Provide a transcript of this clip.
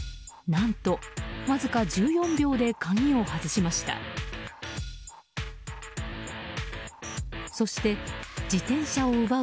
何と、わずか１４秒で鍵を外しました。